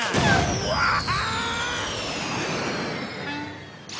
うわあっ！